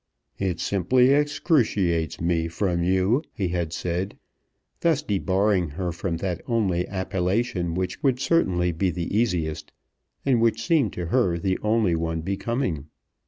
"It simply excruciates me from you," he had said, thus debarring her from that only appellation which would certainly be the easiest, and which seemed to her the only one becoming.